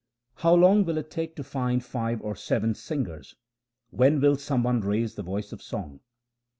How long will it take to find five or seven singers ? When will some one raise the voice of song